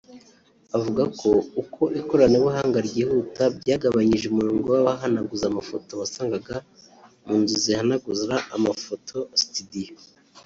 Avuga ko uko ikoranabuhanga ryihuta byagabanyije umurongo w’abahanaguzaga amafoto wasangaga mu nzu zihanagura amafoto (situdiyo)